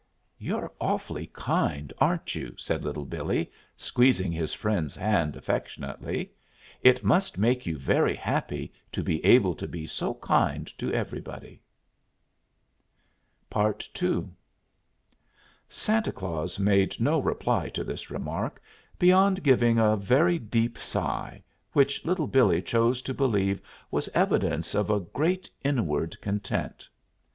"You're awful kind, aren't you?" said Little Billee, squeezing his friend's hand affectionately. "It must make you very happy to be able to be so kind to everybody!" II Santa Claus made no reply to this remark, beyond giving a very deep sigh, which Little Billee chose to believe was evidence of a great inward content.